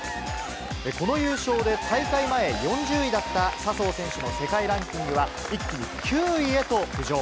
この優勝で、大会前４０位だった笹生選手の世界ランキングは、一気に９位へと浮上。